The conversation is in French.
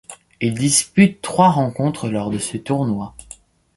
Il dispute trois rencontres lors de ce tournoi.